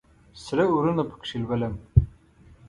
سره اورونه پکښې لولم